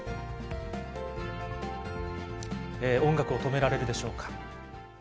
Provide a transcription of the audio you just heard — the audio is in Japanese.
音楽を止められるでしょうか。